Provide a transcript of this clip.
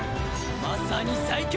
まさに最強！